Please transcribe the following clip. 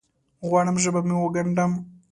غواړم ژبه مې وګنډم